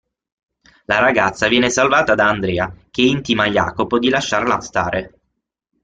La ragazza viene salvata da Andrea, che intima Iacopo di lasciarla stare.